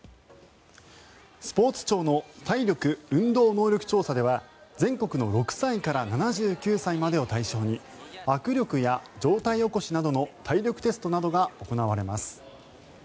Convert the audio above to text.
スポーツ庁の体力・運動能力調査では全国の６歳から７９歳までを対象に握力や上体起こしなどの体力テストなどが行われます。